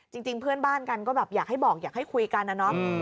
จริงเพื่อนบ้านกันก็แบบอยากให้บอกอยากให้คุยกันนะเนาะ